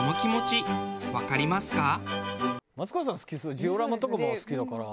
ジオラマとかも好きだから。